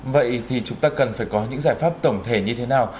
vậy thì chúng ta cần phải có những giải pháp tổng thể như thế nào